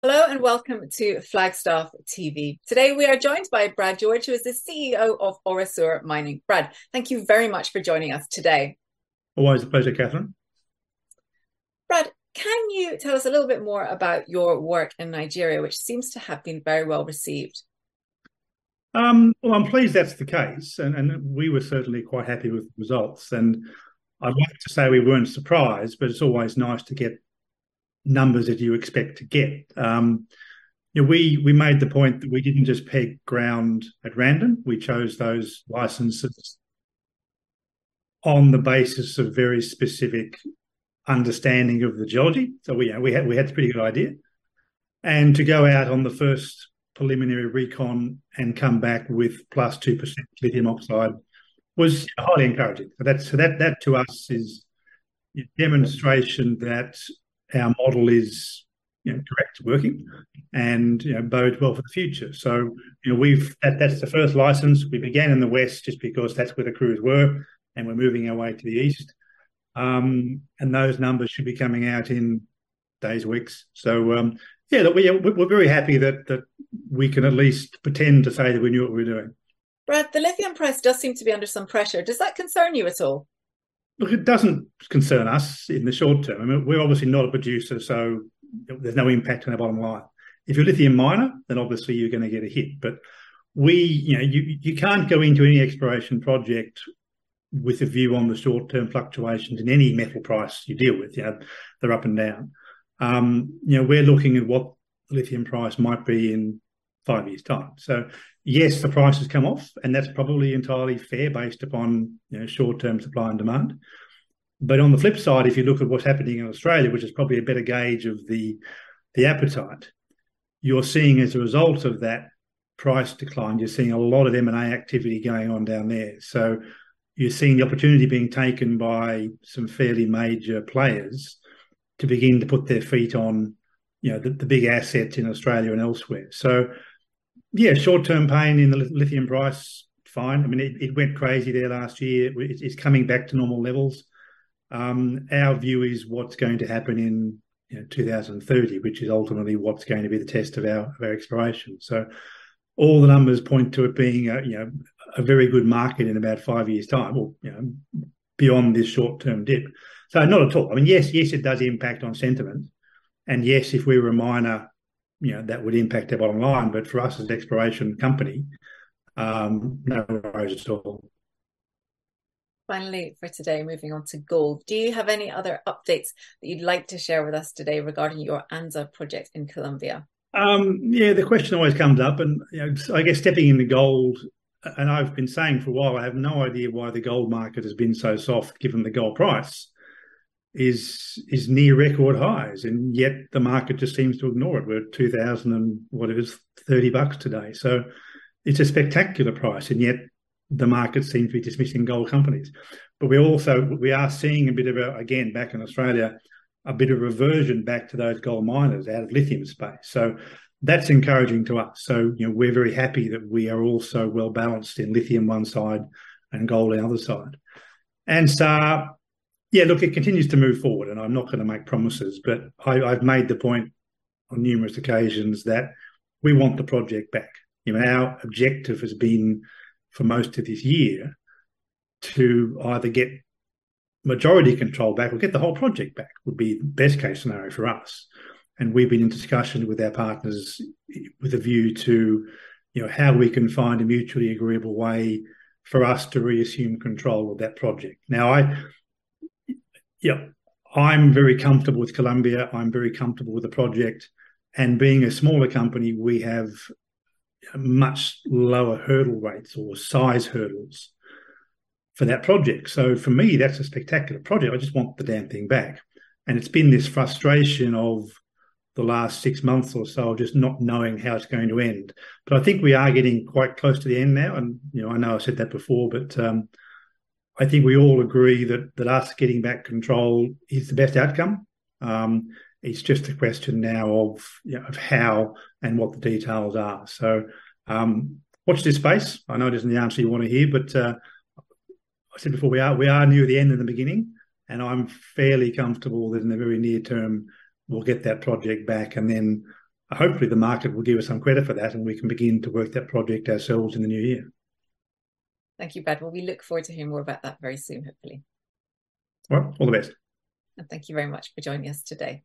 Hello, and welcome to Flagstaff TV. Today, we are joined by Brad George, who is the CEO of Orosur Mining. Brad, thank you very much for joining us today. Always a pleasure, Catherine. Brad, can you tell us a little bit more about your work in Nigeria, which seems to have been very well-received? Well, I'm pleased that's the case and we were certainly quite happy with the results, and I'd like to say we weren't surprised, but it's always nice to get numbers that you expect to get. Yeah, we made the point that we didn't just peg ground at random. We chose those licenses on the basis of very specific understanding of the geology. We had pretty good idea. To go out on the first preliminary recon and come back with +2% lithium oxide was highly encouraging. That to us is demonstration that our model is, you know, correct, working and, you know, bode well for the future. You know, that's the first license. We began in the west just because that's where the crews were, and we're moving our way to the east. Those numbers should be coming out in days, weeks. Yeah, we're very happy that we can at least pretend to say that we knew what we were doing. Brad, the lithium price does seem to be under some pressure. Does that concern you at all? Look, it doesn't concern us in the short term. I mean, we're obviously not a producer, so there's no impact on our bottom line. If you're a lithium miner, then obviously you're gonna get a hit, but you know, you can't go into any exploration project with a view on the short-term fluctuations in any metal price you deal with. They're up and down. You know, we're looking at what lithium price might be in five years' time. Yes, the price has come off, and that's probably entirely fair based upon, you know, short-term supply and demand. On the flip side, if you look at what's happening in Australia, which is probably a better gauge of the appetite, you're seeing, as a result of that price decline, you're seeing a lot of M&A activity going on down there. You're seeing the opportunity being taken by some fairly major players to begin to put their feet on, you know, the big assets in Australia and elsewhere. Yeah, short-term pain in the lithium price, fine. I mean, it went crazy there last year. It's coming back to normal levels. Our view is what's going to happen in, you know, 2030, which is ultimately what's going to be the test of our exploration. All the numbers point to it being a, you know, a very good market in about five years' time or, you know, beyond this short-term dip. Not at all. I mean, yes, it does impact on sentiment, and yes, if we were a miner, you know, that would impact our bottom line, but for us as an exploration company, no worries at all. Finally for today, moving on to gold. Do you have any other updates that you'd like to share with us today regarding your Anzá Project in Colombia? Yeah, the question always comes up and, you know, I guess I've been saying for a while, I have no idea why the gold market has been so soft given the gold price is near record highs and yet the market just seems to ignore it. We're at $2,000 and whatever 30 bucks today. It's a spectacular price, and yet the market seems to be dismissing gold companies. We are seeing a bit of a, again, back in Australia, a bit of a reversion back to those gold miners out of lithium space. That's encouraging to us. You know, we're very happy that we are all so well-balanced in lithium on one side and gold the other side. Anzá, yeah, look, it continues to move forward, and I'm not gonna make promises, but I've made the point on numerous occasions that we want the project back. You know, our objective has been, for most of this year, to either get majority control back. We'll get the whole project back, would be best case scenario for us, and we've been in discussion with our partners with a view to, you know, how we can find a mutually agreeable way for us to reassume control of that project. Now, yep, I'm very comfortable with Colombia. I'm very comfortable with the project, and being a smaller company, we have much lower hurdle rates or size hurdles for that project. So for me, that's a spectacular project. I just want the damn thing back. It's been this frustration of the last six months or so of just not knowing how it's going to end. I think we are getting quite close to the end now and, you know, I know I've said that before, but I think we all agree that that us getting back control is the best outcome. It's just a question now of, you know, of how and what the details are. Watch this space. I know it isn't the answer you want to hear, but I said before, we are near the end of the beginning, and I'm fairly comfortable that in the very near term we'll get that project back and then hopefully the market will give us some credit for that and we can begin to work that project ourselves in the new year. Thank you, Brad. Well, we look forward to hearing more about that very soon, hopefully. Well, all the best. Thank you very much for joining us today.